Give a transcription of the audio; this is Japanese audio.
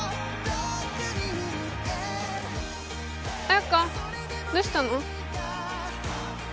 彩花どうしたの？